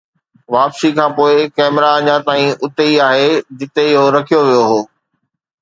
واپسي کان پوء، ڪئميرا اڃا تائين اتي ئي آهي جتي اهو رکيو ويو هو